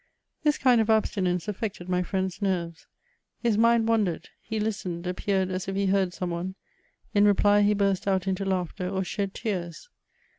This kind of abstinenee affected wj mend's nerves. His mind wandered ; he listened, appeared as if he heard some one ; in reply, he burst out into laughter, or shed tears.